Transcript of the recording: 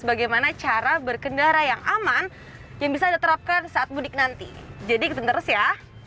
bagaimana cara berkendara yang aman yang bisa diterapkan saat mudik nanti jadi kita terus ya